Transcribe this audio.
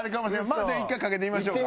まあ１回かけてみましょうか。